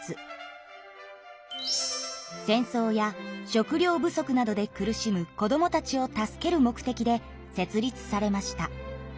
戦争や食料不足などで苦しむ子どもたちを助ける目的で設立されました。